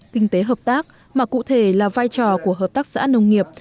kinh tế hợp tác mà cụ thể là vai trò của hợp tác xã nông nghiệp